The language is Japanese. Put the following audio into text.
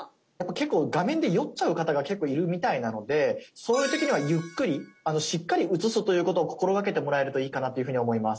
画面で酔っちゃう方が結構いるみたいなのでそういう時にはゆっくりしっかり映すということを心がけてもらえるといいかなというふうに思います。